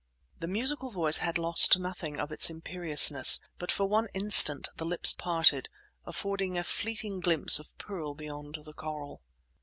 The musical voice had lost nothing of its imperiousness, but for one instant the lips parted, affording a fleeting glimpse of pearl beyond the coral.